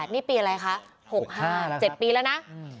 นี่ปีอะไรคะ๖๕๗ปีแล้วนะ